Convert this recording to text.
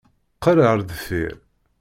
Qqel ar deffir!